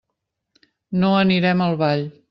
No anirem al ball.